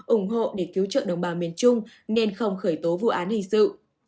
ủng hộ để cứu trợ đồng bào miền trung nên không khởi tố vụ án hình sự